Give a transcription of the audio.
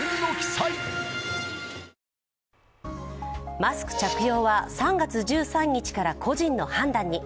マスク着用は３月１３日から個人の判断に。